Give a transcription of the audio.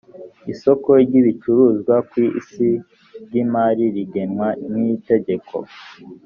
isoko ry ibicuruzwa ku isoko ry’ imari rigenwa n’itegeko